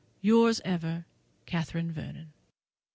Yours ever, &c., CATHERINE VERNON.